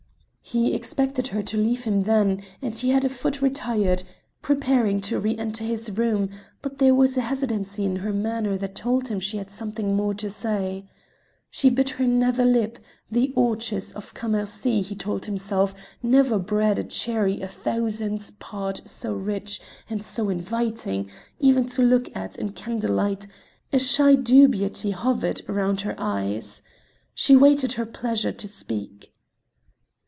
He expected her to leave him then, and he had a foot retired, preparing to re enter his room, but there was a hesitancy in her manner that told him she had something more to say. She bit her nether lip the orchards of Cammercy, he told himself, never bred a cherry a thousandth part so rich and so inviting, even to look at in candle light; a shy dubiety hovered round her eyes. He waited her pleasure to speak.